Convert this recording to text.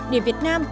để việt nam